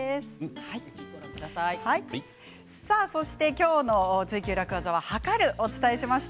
今日の「ツイＱ楽ワザ」ははかるをお伝えしました。